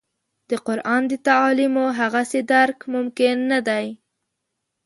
د قران د تعالیمو هغسې درک ممکن نه دی.